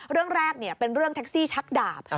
เรื่องแรกเป็นเรื่องแท็กซี่ชักดาบ